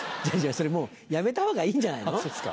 それもうやめたほうがいいんじゃないの？